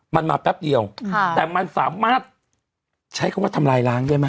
มันมาแป๊บเดียวแต่มันสามารถใช้คำว่าทำลายล้างได้ไหม